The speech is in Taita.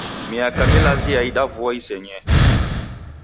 Miaka milazi yaida vua isenyee.